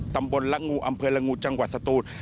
ตำบลละงูอำเภอละงูจังหวัดสตูน